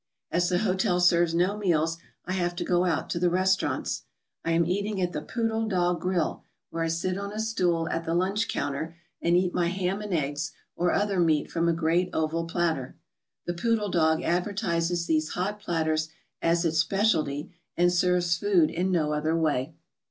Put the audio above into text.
As the hotel serves no meals I have to go out to the restaurants. I am eating at the Poodle Dog grill, where I sit on a stool at the lunch counter and eat my ham and eggs or other meat from a ii ALASKA OUR NORTHERN WONDERLAND great oval platter. The Ppodle Dog advertises these hot platters as its specialty and serves food in no other way.